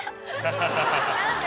何で？